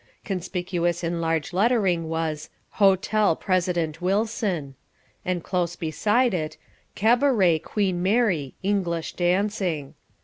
Conspicuous in huge lettering was HOTEL PRESIDENT WILSON, and close beside it CABARET QUEEN MARY: ENGLISH DANCING.